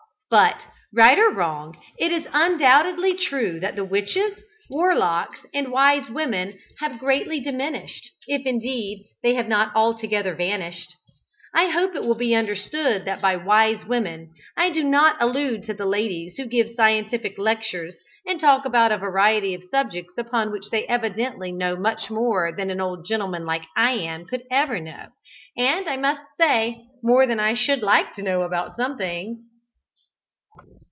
But, right or wrong, it is undoubtedly true that the witches, warlocks and wise women have greatly diminished, if indeed they have not altogether vanished. I hope it will be understood that by "wise women" I do not allude to the ladies who give scientific lectures and talk about a variety of subjects upon which they evidently know much more than an old gentleman like I am could ever know, and, I must say, more than I should like to know about some things.